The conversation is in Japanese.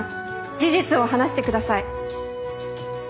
事実を話してください。